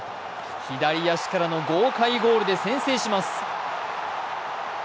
左足からの豪快ゴールで先制します。